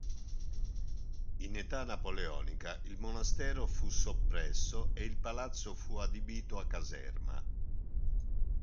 In età napoleonica il monastero fu soppresso e il palazzo fu adibito a caserma.